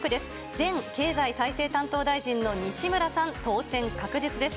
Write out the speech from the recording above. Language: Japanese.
前経済再生担当大臣の西村さん、当選確実です。